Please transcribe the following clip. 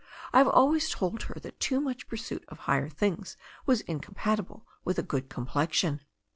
I've always told her that too much pursuit of higher things was incompati ble with a good complexion.